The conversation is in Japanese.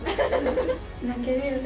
・泣けるよね